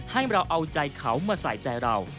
ให้เราเอาใจเขามาใส่ใจเรา